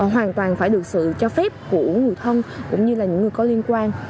hoàn toàn phải được sự cho phép của người thân cũng như là những người có liên quan